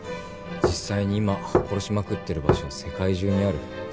実際に今殺しまくってる場所は世界中にある。